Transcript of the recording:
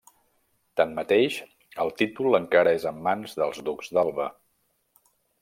Tanmateix, el títol encara és en mans dels ducs d'Alba.